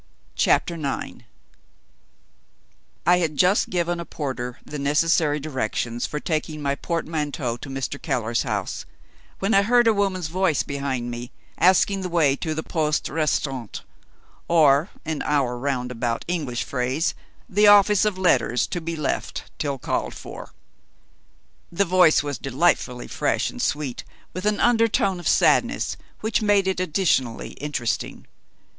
CHAPTER IX I had just given a porter the necessary directions for taking my portmanteau to Mr. Keller's house, when I heard a woman's voice behind me asking the way to the Poste Restante or, in our roundabout English phrase, the office of letters to be left till called for. The voice was delightfully fresh and sweet, with an undertone of sadness, which made it additionally interesting.